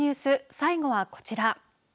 最後はこちら。